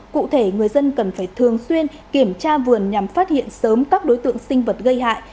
cụ thể người dân cần phải thường xuyên kiểm tra vườn nhằm phát hiện sớm các đối tượng sinh vật gây hại